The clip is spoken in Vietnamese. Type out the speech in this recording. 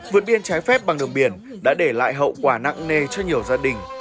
vượt biên trái phép bằng đường biển đã để lại hậu quả nặng nề cho nhiều gia đình